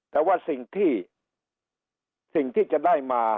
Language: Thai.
แต่ว่าสิ่งที่สิ่งที่จะได้มา